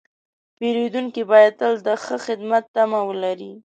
پیرودونکی باید تل د ښه خدمت تمه ولري.